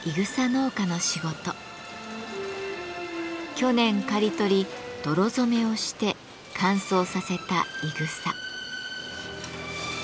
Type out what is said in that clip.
去年刈り取り泥染めをして乾燥させたいぐさ。